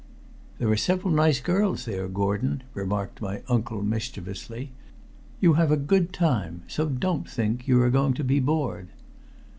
"There are several nice girls there, Gordon," remarked my uncle mischievously. "You have a good time, so don't think you are going to be bored."